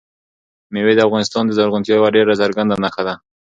مېوې د افغانستان د زرغونتیا یوه ډېره څرګنده نښه ده.